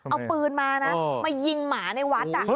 เอาปืนมานะมายิงหมาในวัด